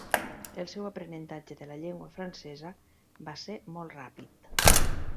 El seu aprenentatge de la llengua francesa va ser molt ràpid.